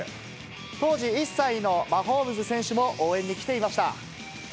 当時１歳のマホームズ選手も応援に来ていました。